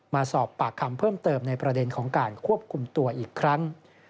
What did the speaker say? มาสอบปากคำเพิ่มเติมในประเด็นของการควบคุมตัวอีกครั้ง